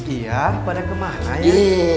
iya pada kemana ya